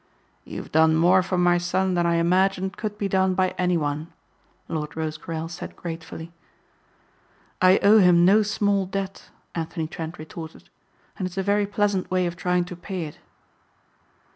"You have done more for my son than I imagined could be done by anyone," Lord Rosecarrel said gratefully. "I owe him no small debt," Anthony Trent retorted, "and it's a very pleasant way of trying to pay it."